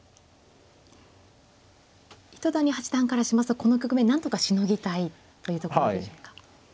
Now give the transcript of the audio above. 糸谷八段からしますとこの局面なんとかしのぎたいというところでしょうか。